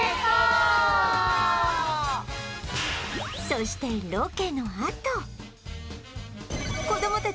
そしてロケのあと